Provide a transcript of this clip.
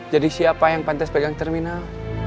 jadi siapa yang pantas pegang terminal